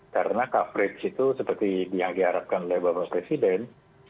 karena coverage itu seperti yang diharapkan oleh bapak presiden